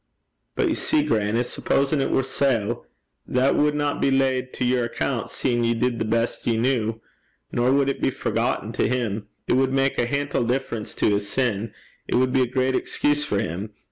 'But, ye see, grannie, supposin' it war sae, that wadna be laid to your accoont, seein' ye did the best ye kent. Nor wad it be forgotten to him. It wad mak a hantle difference to his sin; it wad be a great excuse for him.